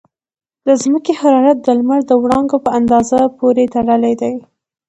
د ځمکې حرارت د لمر د وړانګو په اندازه پورې تړلی دی.